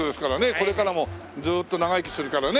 これからもずっと長生きするからね。